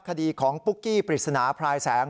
คดีของปุ๊กกี้ปริศนาพลายแสง